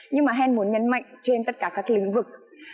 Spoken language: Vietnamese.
nhưng mà han muốn nhấn mạnh trên tất cả các lĩnh vực